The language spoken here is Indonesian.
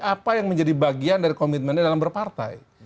apa yang menjadi bagian dari komitmennya dalam berpartai